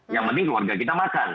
yang penting warga kita makan